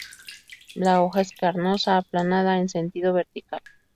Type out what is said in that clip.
La hoja es carnosa, aplanada en sentido vertical.